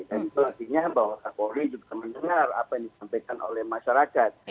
dan itu artinya bahwa kapolri juga mendengar apa yang disampaikan oleh masyarakat